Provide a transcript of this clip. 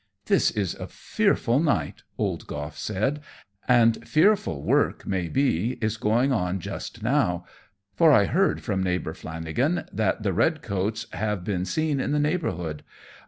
"This is a fearful night," old Goff said, "and fearful work, may be, is going on just now; for I heard from neighbour Flanagan that the red coats have been seen in the neighbourhood.